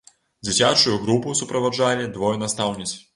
Дзіцячую групу суправаджалі двое настаўніц.